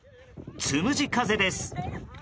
つむじ風です。